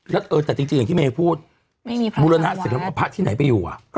แต่จริงอย่างที่แม่พูดนุรนาสัครันภาพที่ไหนไปอยู่